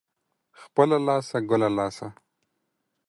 خپله لاسه ، گله لاسه.